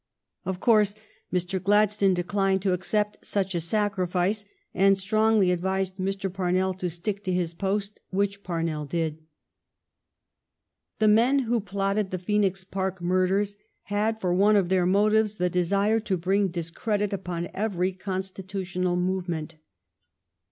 Of course Mr. Glad stone declined (Kr„n,jphci.ignpi,i.y.i,c(.,in.iLW sun^D^ficc. ■ j q accept such a sacrifice, and strongly advised Mr. Parnell to stick to his post, which Parnell did. The men who plotted the Phcenix Park mur ders had for one of their motives the desire to bring discredit upon every constitutional move ment.